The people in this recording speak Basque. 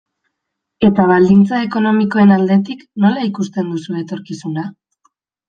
Eta baldintza ekonomikoen aldetik, nola ikusten duzu etorkizuna?